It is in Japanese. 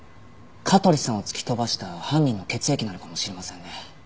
香取さんを突き飛ばした犯人の血液なのかもしれませんね。